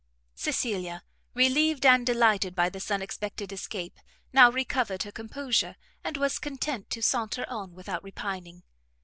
Cecilia, relieved and delighted by this unexpected escape, now recovered her composure, and was content to saunter on without repining.